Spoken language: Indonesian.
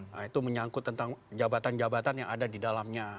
nah itu menyangkut tentang jabatan jabatan yang ada di dalamnya